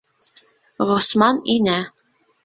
Ғосман инә.